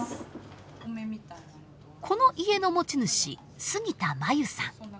この家の持ち主杉田真由さん。